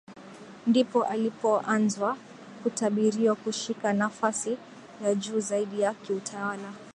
Ndipo alipoanzwa kutabiriwa kushika nafasi ya juu zaidi ya kiutawala